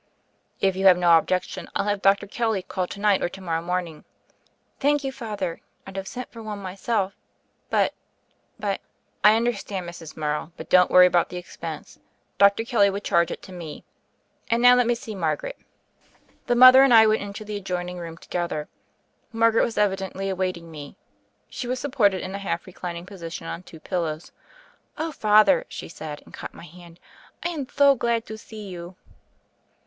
"If you nave no objections, I'll have Dr. Kelly call to night, or to morrow morning." "Thank you. Father; I'd have sent for one myself, but — ^but ——" "I understand, Mrs. Morrow: but don't worry about the expense. Dr. Kelly will charge it to me. And now let me sec Mar garet." The mother and I went into the adjoining room together. Margaret was evidently await ing me. She was supported in a half reclining position on two pillows. "Oh, Father 1" she said, and caught my hand, "I am tho glad to thee you."